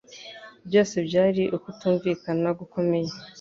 Byose byari ukutumvikana gukomeye.